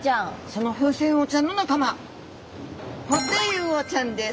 そのフウセンウオちゃんの仲間ホテイウオちゃんです。